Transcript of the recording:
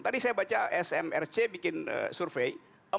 tadi saya baca smrc bikin survei